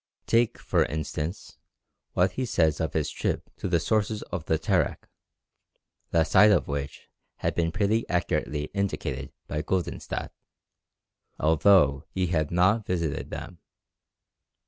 Take, for instance, what he says of his trip to the sources of the Terek, the site of which had been pretty accurately indicated by Guldenstædt, although he had not visited them.